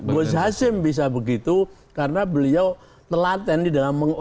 gus hasim bisa begitu karena beliau telaten di dalam